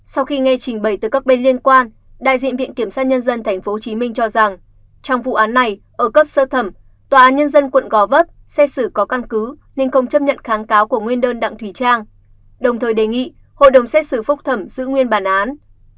sau khi nghe trình bày từ các bên liên quan đại diện viện kiểm sát nhân dân tp hcm cho rằng trong vụ án này ở cấp sơ thẩm tòa án nhân dân quận gò vấp xét xử có căn cứ nên không chấp nhận kháng cáo của nguyên đơn đặng thùy trang đồng thời đề nghị hội đồng xét xử phúc thẩm giữ nguyên bản án